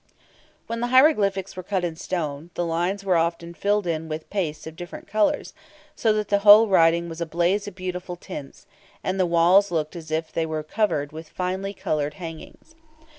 When the hieroglyphics were cut in stone, the lines were often filled in with pastes of different colours, so that the whole writing was a blaze of beautiful tints, and the walls looked as if they were covered with finely coloured hangings.